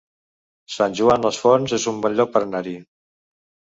Sant Joan les Fonts es un bon lloc per anar-hi